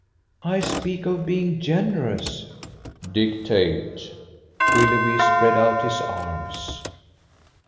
"I speak of being generous." "Dictate." Willoughby spread out his arms.